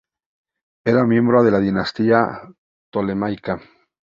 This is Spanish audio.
Era miembro de la Dinastía Ptolemaica.